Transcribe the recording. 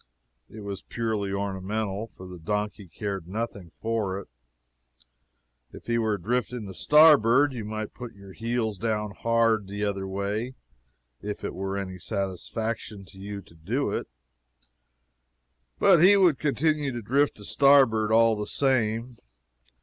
It was purely ornamental, for the donkey cared nothing for it. If he were drifting to starboard, you might put your helm down hard the other way, if it were any satisfaction to you to do it, but he would continue to drift to starboard all the same.